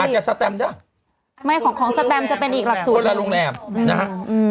อาจจะสแตมด้วยไม่ของของสแตมจะเป็นอีกหลักสูตรหนึ่งนั่นแหละโรงแรมนะฮะอืม